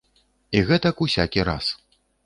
І гэтак усякі раз.